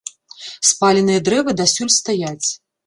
Спаленыя дрэвы дасюль стаяць.